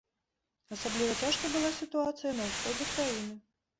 Асабліва цяжкай была сітуацыя на ўсходзе краіны.